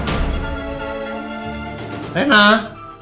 kira kira duk ga ditinggalkan